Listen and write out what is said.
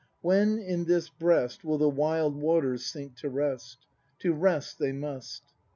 ] When in this breast Will the wild waters sink to rest? To rest they must!